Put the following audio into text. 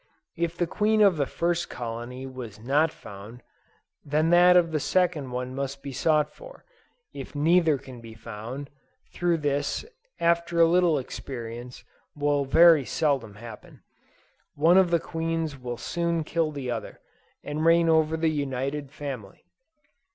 If the queen of the first colony was not found, then that of the second one must be sought for; if neither can be found, (though this, after a little experience, will very seldom happen,) one of the Queens will soon kill the other, and reign over the united family.